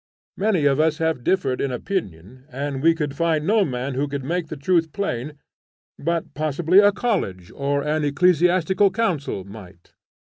Many of us have differed in opinion, and we could find no man who could make the truth plain, but possibly a college, or an ecclesiastical council might.